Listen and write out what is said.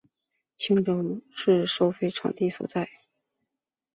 青洲仔成为青屿干线收费广场的所在地。